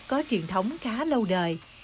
có truyền thống khá lâu đời